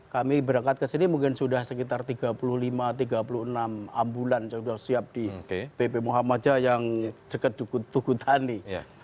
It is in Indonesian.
kami berangkat ke sini mungkin sudah sekitar tiga puluh lima tiga puluh enam ambulans yang sudah siap di pp muhammadiyah yang dekat tugutani